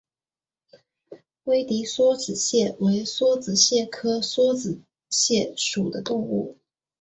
威迪梭子蟹为梭子蟹科梭子蟹属的动物。